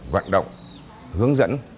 vận động hướng dẫn